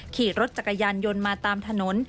ขี่รถจักรยานยนต์มาตามถนน